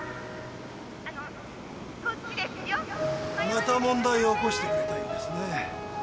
また問題を起こしてくれたようですね。